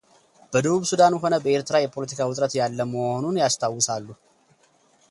በደቡብ ሱዳንም ሆነ በኤርትራ የፖለቲካ ውጥረት ያለ መሆኑን ያስታውሳሉ።